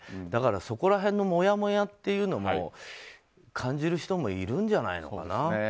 だから、そこら辺のもやもやを感じる人もいるんじゃないのかな。